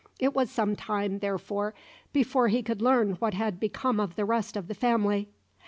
It was some time, therefore, before he could learn what had become of the rest of the family.